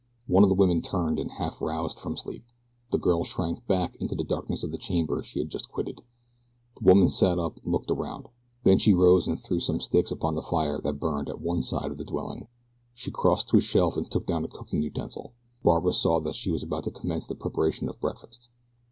One of the women turned and half roused from sleep. The girl shrank back into the darkness of the chamber she had just quitted. The woman sat up and looked around. Then she rose and threw some sticks upon the fire that burned at one side of the dwelling. She crossed to a shelf and took down a cooking utensil. Barbara saw that she was about to commence the preparation of breakfast.